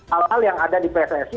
hal hal yang ada di pssi